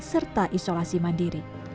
serta isolasi mandiri